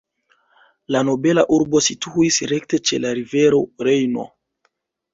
La nobela urbo situis rekte ĉe la rivero Rejno.